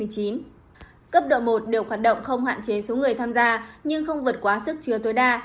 cấp độ một đều hoạt động không hạn chế số người tham gia nhưng không vượt quá sức chứa tối đa